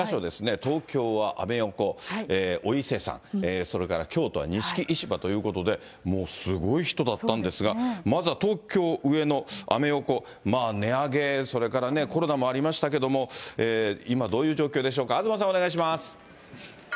東京はアメ横、お伊勢さん、それから京都は錦市場ということで、もうすごい人だったんですが、まずは東京・上野アメ横、値上げ、それからコロナもありましたけれども、今どういう状況でしょうか、東さん、お願いします。